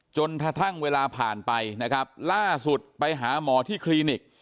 จนกระทั่งเวลาผ่านไปนะครับล่าสุดไปหาหมอที่คลินิก